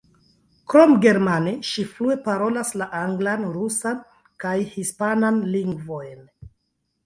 Krom germane, ŝi flue parolas la anglan, rusan kaj hispanan lingvojn.